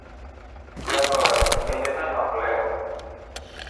Jagoye bende ne ok lew.